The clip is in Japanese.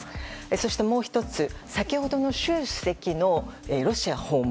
そして、もう１つ先ほどの習主席のロシア訪問。